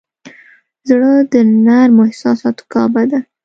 زړه د نرمو احساساتو کعبه ده.